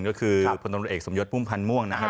ก็คือพลตำรวจเอกสมยศพุ่มพันธ์ม่วงนะครับ